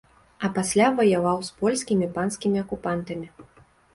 А пасля ваяваў з польскімі панскімі акупантамі.